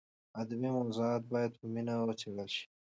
ادبي موضوعات باید په مینه وڅېړل شي.